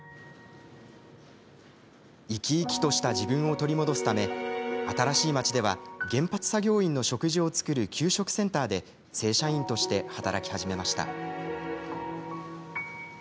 生き生きとした自分を取り戻すため新しい町では原発作業員の食事を作る給食センターで正社員として働き始めました。